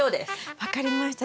分かりました。